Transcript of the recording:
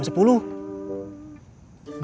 gak berani hati komandan